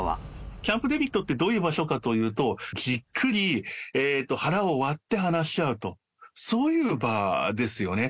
キャンプ・デービッドってどういう場所かというと、じっくり腹を割って話し合うと、そういう場ですよね。